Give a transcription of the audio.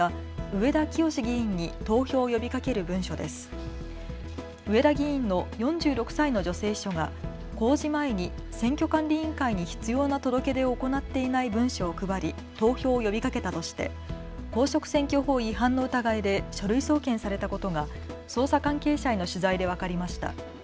上田議員の４６歳の女性秘書が公示前に選挙管理委員会に必要な届け出を行っていない文書を配り投票を呼びかけたとして公職選挙法違反の疑いで書類送検されたことが捜査関係者への取材で分かりました。